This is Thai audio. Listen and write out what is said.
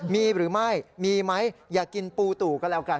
มีหรือไม่มีไหมอย่ากินปูตู่ก็แล้วกัน